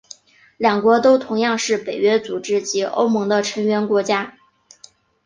两国都同样是北约组织及欧盟的成员国家。